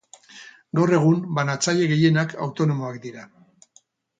Gaur egun, banatzaile gehienak autonomoak dira.